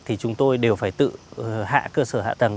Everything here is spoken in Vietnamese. thì chúng tôi đều phải tự hạ cơ sở hạ tầng